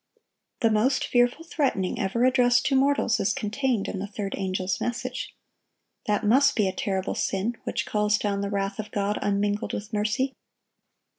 The most fearful threatening ever addressed to mortals is contained in the third angel's message. That must be a terrible sin which calls down the wrath of God unmingled with mercy.